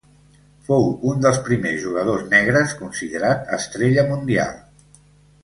Fou un dels primers jugadors negres considerat estrella mundial.